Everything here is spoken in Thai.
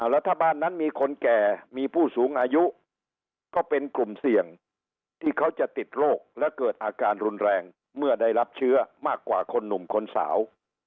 รัฐบาลนั้นมีคนแก่มีผู้สูงอายุก็เป็นกลุ่มเสี่ยงที่เขาจะติดโรคและเกิดอาการรุนแรงเมื่อได้รับเชื้อมากกว่าคนหนุ่มคนสาว